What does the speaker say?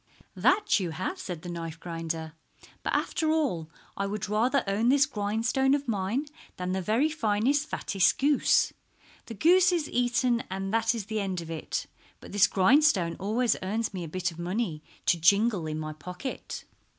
"That you have," said the knife grinder. "But after all I would rather own this grindstone of mine than the very finest, fattest goose. The goose is eaten and that is the end of it, but this grindstone always earns me a bit of money to jingle in my pocket."